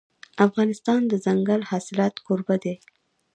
افغانستان د دځنګل حاصلات کوربه دی.